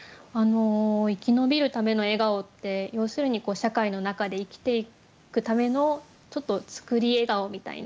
「生き延びるための笑顔」って要するに社会の中で生きていくためのちょっと作り笑顔みたいな。